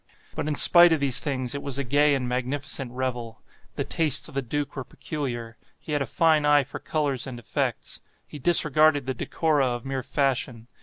But, in spite of these things, it was a gay and magnificent revel. The tastes of the duke were peculiar. He had a fine eye for colors and effects. He disregarded the decora of mere fashion.